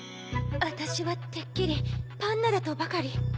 あたしはてっきりパンナだとばかり。